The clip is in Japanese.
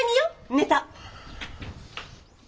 ネタ。